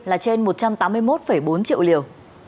là trên một trăm tám mươi một bốn triệu liều